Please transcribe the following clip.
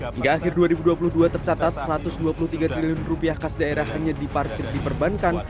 hingga akhir dua ribu dua puluh dua tercatat satu ratus dua puluh tiga triliun rupiah kas daerah hanya diparkir di perbankan